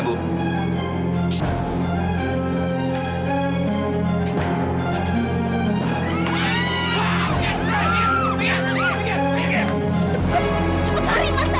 untuk dia cuma tak juga penggoda